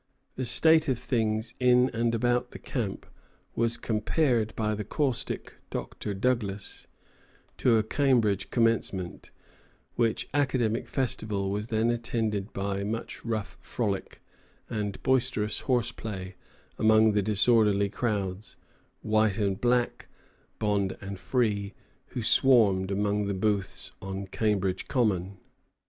The state of things in and about the camp was compared by the caustic Dr. Douglas to "a Cambridge Commencement," which academic festival was then attended by much rough frolic and boisterous horseplay among the disorderly crowds, white and black, bond and free, who swarmed among the booths on Cambridge Common.